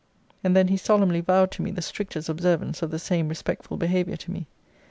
And then he solemnly vowed to me the strictest observance of the same respectful behaviour to me.